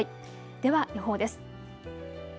では予報です。